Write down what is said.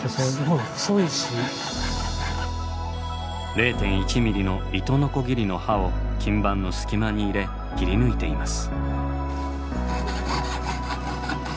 ０．１ｍｍの糸のこぎりの刃を金盤の隙間に入れ切り抜いています。